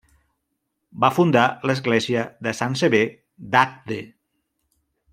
Va fundar l'Església de Sant Sever d'Agde.